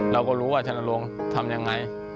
เราก็รู้ว่าชนรงค์ทำยังไง